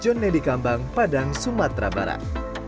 jon nedy kambang padang sumatera barat